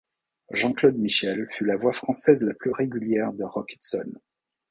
Jean-Claude Michel fut la voix française la plus régulière de Rock Hudson.